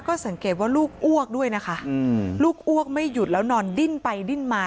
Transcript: ก็สังเกตว่าลูกอ้วกด้วยนะคะลูกอ้วกไม่หยุดแล้วนอนดิ้นไปดิ้นมา